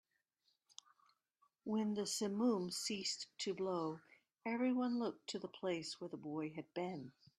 When the simum ceased to blow, everyone looked to the place where the boy had been.